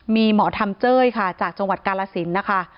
มีหมอธรรมเจ้าจากจังหวัดกรรละสินฯนะคะ